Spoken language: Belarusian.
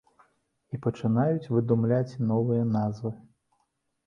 І пачынаюць выдумляць новыя назвы.